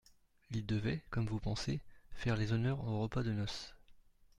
Il devait, comme vous pensez, faire les honneurs au repas de noces.